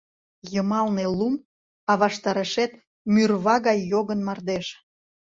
Йымалне — лум, а ваштарешет — мӱрва гай йогын-мардеж.